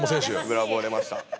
「ブラボー」出ました。